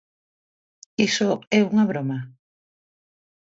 ¿Iso é unha broma?